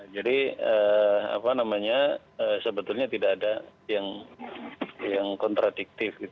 jadi sebetulnya tidak ada yang kontradiktif